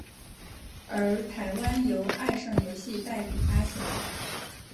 而台湾由爱胜游戏代理发行。